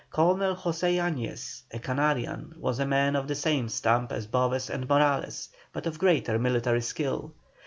Colonel José Yañez, a Canarian, was a man of the same stamp as Boves and Morales, but of greater military skill.